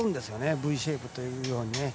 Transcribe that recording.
Ｖシェイプというように。